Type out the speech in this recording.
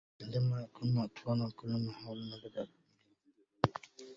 عندما كنا أطفالا، كل ما حولنا بدا كبيرا.